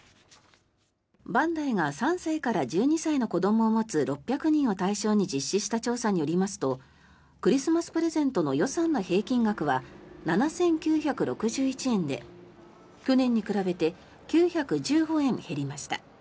バンダイが３歳から１２歳の子どもを持つ６００人を対象に実施した調査によりますとクリスマスプレゼントの予算の平均額は７９６１円で去年に比べて９１５円減りました。